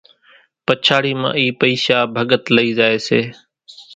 پچاڙِي مان اِي پئيشا ڀڳت لئِي زائيَ سي۔